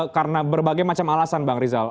karena berbagai macam alasan bang rizal